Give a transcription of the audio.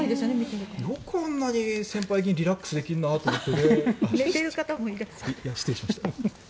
よくあんなに先輩議員リラックスできるなと思って。